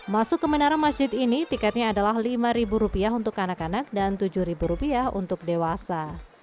masuk ke menara masjid ini tiketnya adalah rp lima untuk anak anak dan rp tujuh untuk dewasa